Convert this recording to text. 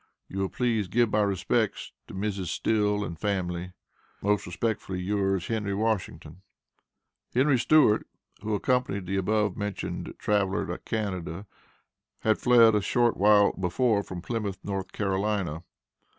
You will please give my respects to Mrs. Still and family. Most respectfully yours, HENRY WASHINGTON. Henry Stewart, who accompanied the above mentioned traveler to Canada, had fled a short while before from Plymouth, North Carolina.